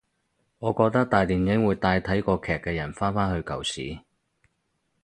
我覺得大電影會帶睇過劇嘅人返返去舊時